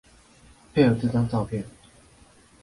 配合這張照片